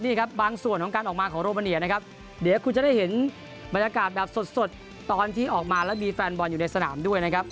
นี่ครับบางส่วนของการออกมาของโรมาเนียนะครับเดี๋ยวคุณจะได้เห็นบรรยากาศแบบสดตอนที่ออกมาแล้วมีแฟนบอลอยู่ในสนามด้วยนะครับ